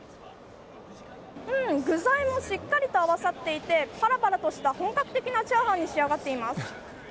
具材もしっかりと合わさっていてパラパラとした本格的なチャーハンに仕上がっています。